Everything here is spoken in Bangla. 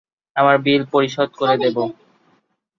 আমরা বিল পরিশোধ করে দেবো।